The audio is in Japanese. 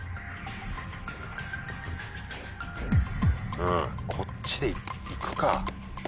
うんこっちで行くか。